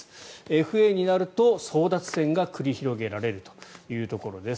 ＦＡになると争奪戦が繰り広げられるということです。